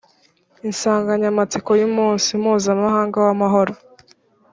Insanganyamatsiko y umunsi mpuzamahanga w amahoro